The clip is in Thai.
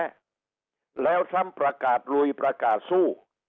ทลัมภลประกาศรุยประกาศสู้